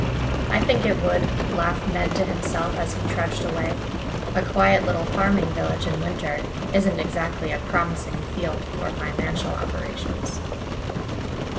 "I think it would," laughed Ned to himself, as he trudged away. "A quiet little farming village in winter isn't exactly a promising field for financial operations."